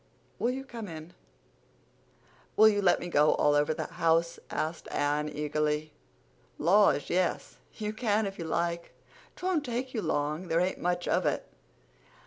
Will you come in?" "Will you let me go all over the house?" asked Anne eagerly. "Laws, yes, you can if you like. 'Twon't take you long—there ain't much of it.